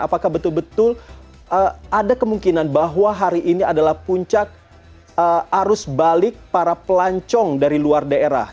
apakah betul betul ada kemungkinan bahwa hari ini adalah puncak arus balik para pelancong dari luar daerah